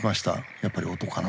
やっぱり音かな？